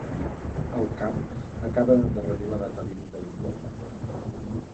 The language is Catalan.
El cap acaba d'endarrerir la data límit de l'informe.